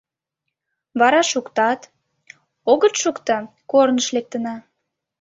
Вара — шуктат, огыт шукто — корныш лектына.